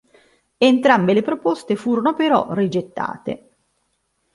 Entrambe le proposte furono però rigettate.